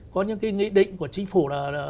có những cái nghĩ định của chính phủ là